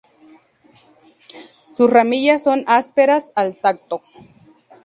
Sus ramillas son ásperas al tacto.